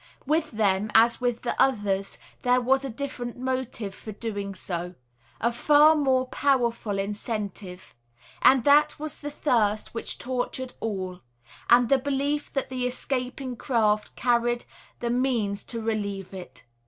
With them, as with the others, there was a different motive for doing so, a far more powerful incentive, and that was the thirst which tortured all, and the belief that the escaping craft carried the means to relieve it.